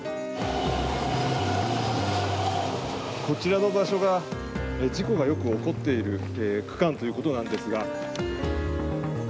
こちらの場所が事故がよく起こっている区間ということなんですが。